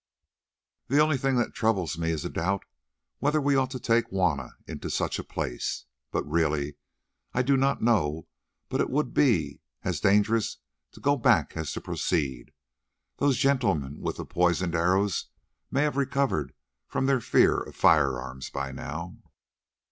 The only thing that troubles me is a doubt whether we ought to take Juanna into such a place. But really I do not know but what it would be as dangerous to go back as to proceed: those gentlemen with the poisoned arrows may have recovered from their fear of firearms by now."